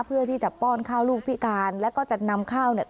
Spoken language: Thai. เพื่อที่จะป้อนข้าวลูกพิการแล้วก็จะนำข้าวเนี่ย